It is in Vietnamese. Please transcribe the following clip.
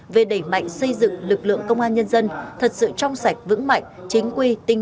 về đẩy mạnh xây dựng lực lượng công an nhân dân thật sự trong sạch vững mạnh chính quy tinh